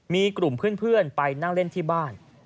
มีกลุ่มเพื่อนไปนั่งเล่นที่บ้าน